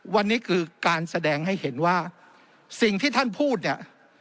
วันนี้คือการแสดงให้เห็นว่าสิ่งที่ท่านพูดเนี่ย